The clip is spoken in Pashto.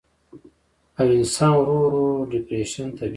او انسان ورو ورو ډپرېشن ته بيائي